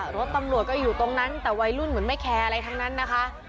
รถตำรวจก็อยู่ตรงนั้นแต่วัยรุ่นเหมือนไม่แคร์อะไรทั้งนั้นนะคะ